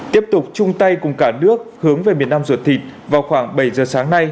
tiếp tục chung tay cùng cả nước hướng về miền nam ruột thịt vào khoảng bảy giờ sáng nay